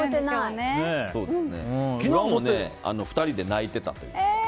昨日も２人で泣いてたというか。